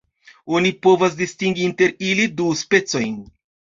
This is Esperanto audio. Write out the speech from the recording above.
Oni povas distingi inter ili du specojn.